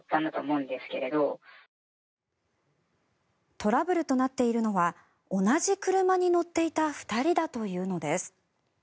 トラブルとなっているのは同じ車に乗っていた２人だというのです。